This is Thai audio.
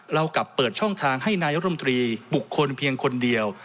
เรากลับเปิดช่องทางให้นายกรมตรีบุคคลเพียงคนเดียว